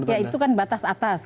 ya itu kan batas atas